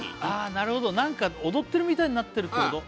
なるほどなんか踊ってるみたいになってるってこと？